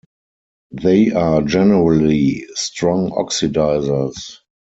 They are generally strong oxidizers.